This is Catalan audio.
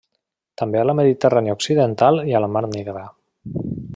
També a la Mediterrània Occidental i a la Mar Negra.